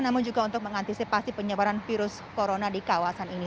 namun juga untuk mengantisipasi penyebaran virus corona di kawasan ini